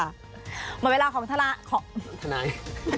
หมดเวลาของธนาย